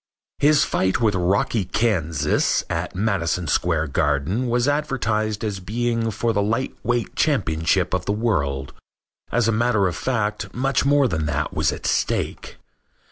His fight with Rocky Kansas at Madison Square Garden was advertised as being for the lightweight championship of the world. As a matter of fact much more than that was at stake.